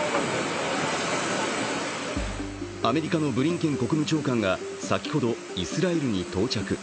アメリカのブリンケン国務長官が先ほどイスラエルに到着。